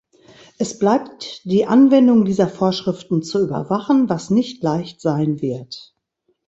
Es bleibt, die Anwendung dieser Vorschriften zu überwachen, was nicht leicht sein wird.